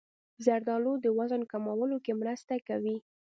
زردالو د وزن کمولو کې مرسته کوي.